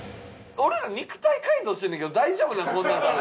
俺ら肉体改造してんねんけど大丈夫なん？